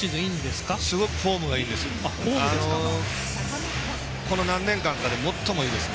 すごくフォームがいいです。